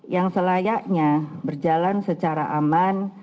yang selayaknya berjalan secara aman